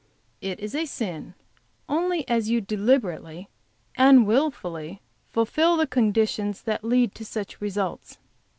"It is a sin only as you deliberately and wilfully fulfill the conditions that lead to such results.